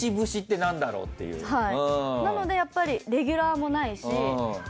なのでやっぱりレギュラーもないし。